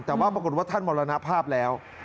แต่ว่าปรากฏว่าท่านมรณภาพแล้ว